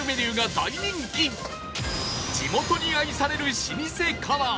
地元に愛される老舗から